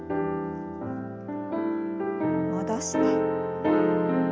戻して。